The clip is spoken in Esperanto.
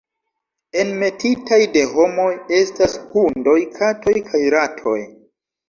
Enmetitaj de homoj estas hundoj, katoj kaj ratoj.